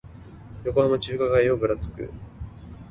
横浜中華街をぶらつく